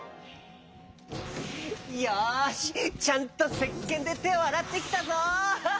よしちゃんとせっけんでてをあらってきたぞ！